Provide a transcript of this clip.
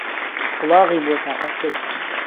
وڵاغی بۆ تاقهت کرد